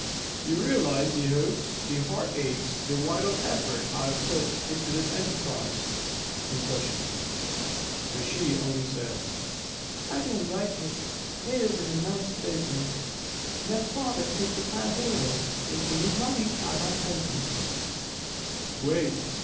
"Do you realize the hopes, the heartaches, the vital effort I have put into this enterprise?" he questioned. But she only said: "I don't like it. It isn't a nice business. Let father take the plant over. If you need money, I have plenty " "Wait!"